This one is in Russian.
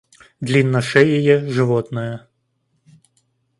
Длинношеее животное